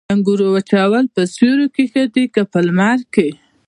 د انګورو وچول په سیوري کې ښه دي که لمر کې؟